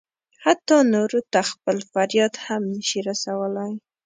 حتی نورو ته خپل فریاد هم نه شي رسولی.